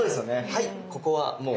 はいここはもう。